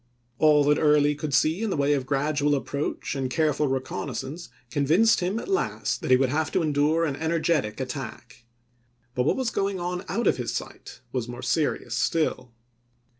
All that Early could see in the way of gradual approach and careful reconnaissance convinced him at last that he would have to endure an energetic attack ; but what was going on out of his sight was more serious still.